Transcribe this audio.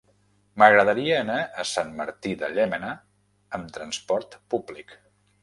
M'agradaria anar a Sant Martí de Llémena amb trasport públic.